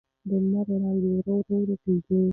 د لمر وړانګې په ورو ورو ورکېدې.